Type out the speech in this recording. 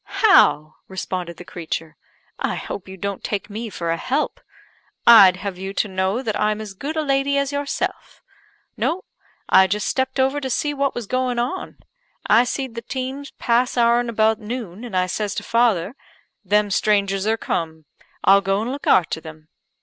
"How!" responded the creature, "I hope you don't take me for a help. I'd have you to know that I'm as good a lady as yourself. No; I just stepped over to see what was going on. I seed the teams pass our'n about noon, and I says to father, 'Them strangers are cum; I'll go and look arter them.'